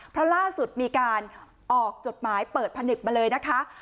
เพราะล่าสุดมีการออกจดหมายเปิดผนึกมาเลยนะคะ